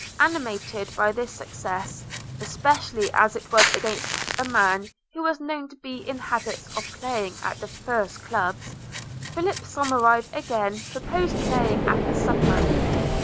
Animated by this success, especially as it was against a man who was known to be in habits of playing at the first clubs, Philip Somerive again proposed playing after supper.